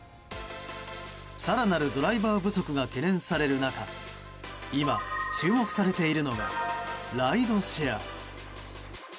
更なるドライバー不足が懸念される中今、注目されているのがライドシェア。